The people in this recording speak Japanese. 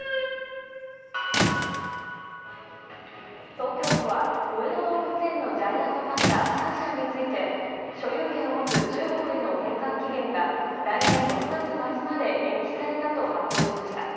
東京都は上野動物園のジャイアントパンダシャンシャンについて所有権を持つ中国への返還期限が来年６月末まで延期されたと発表しました。